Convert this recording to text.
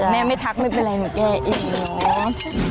แม่ไม่ทักไม่เป็นไรมันแก่เองเนอะ